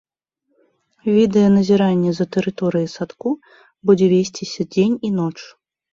Відэаназіранне за тэрыторыяй садку будзе весціся дзень і ноч.